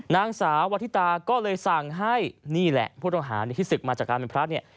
นางสาววัฒิตาก็เลยสั่งให้นี่แหละผู้ต้องหาที่ศึกมาจากการเป็นพระเนี่ย